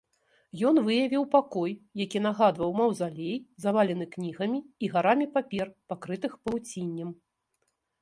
Ён выявіў пакой, які нагадваў маўзалей, завалены кнігамі і гарамі папер, пакрытых павуціннем.